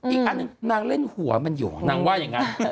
อีกอันหนึ่งนางเล่นหัวมันอยู่นางว่าอย่างนั้น